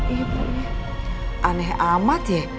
ibu aneh amat ya